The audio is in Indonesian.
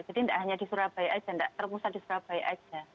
jadi tidak hanya di surabaya saja tidak termusat di surabaya saja